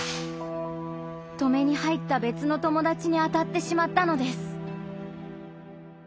止めに入った別の友達に当たってしまったのです。